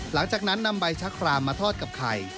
หลังจากนั้นนำใบชะครามมาทอดกับไข่